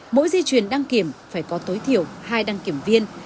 mỗi dây chuyển đăng kiểm phải có tối thiểu hai đăng kiểm viên